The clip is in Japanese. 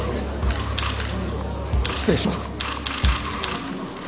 失礼します。